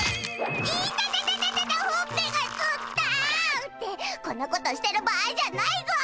イタタタタタタほっぺがつった！ってこんなことしてる場合じゃないぞ。